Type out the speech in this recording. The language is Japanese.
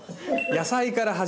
野菜から始める。